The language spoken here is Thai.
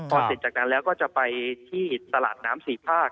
พอเสร็จจากนั้นแล้วก็จะไปที่ตลาดน้ำสี่ภาค